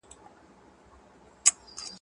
ما د افغانستان په تاریخ یو ډېر مفصل کتاب ولوستی.